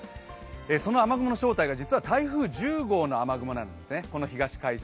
その雨雲の正体が実は台風１０号の雨雲なんですね、東の海上。